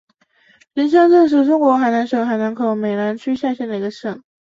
灵山镇是中国海南省海口市美兰区下辖的一个镇。